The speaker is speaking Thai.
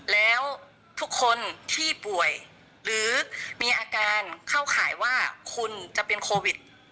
แล้วทุกคนที่ป่วยหรือมีอาการเข้าข่ายว่าคุณจะเป็นโควิด